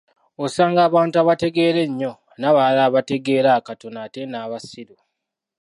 Osanga abantu abategeera ennyo, n'abalala abategeera akatono ate n'abasiru.